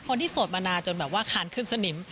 โสดมานานจนแบบว่าคานขึ้นสนิม